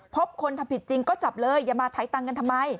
คนทำผิดจริงก็จับเลยอย่ามาถ่ายตังค์กันทำไม